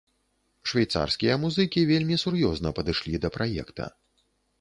Швейцарскія музыкі вельмі сур'ёзна падышлі да праекта.